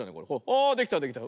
あできたできた。